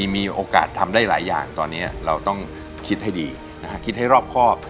มีโอกาสทำได้หลายอย่างตอนนี้เราต้องคิดให้ดีคิดให้รอบครอบ